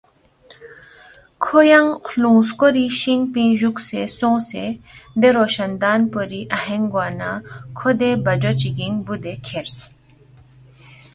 کھو ینگ خلُونگ سکوری شین پِنگ جُوکسے سونگسے دے روشندان پوری اَہِینگ گوا نہ کھو دے بجو چگِنگ بُودے کھیرس